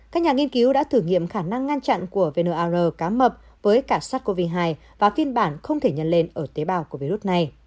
các nhà nghiên cứu đã thử nghiệm khả năng ngăn chặn của vnr cá mập với cả sars cov hai và phiên bản không thể nhân lên ở tế bào của virus này